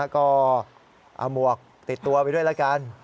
ก็เอาหมวกติดตัวไปด้วยละกัน